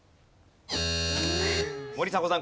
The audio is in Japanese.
森迫さん